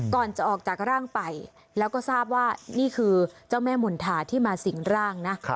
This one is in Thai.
ก่อนจะออกจากร่างไปแล้วก็ทราบว่านี่คือเจ้าแม่มณฑาที่มาสิ่งร่างนะ